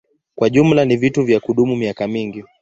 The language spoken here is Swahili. Kwa jumla ni vitu vya kudumu miaka mingi.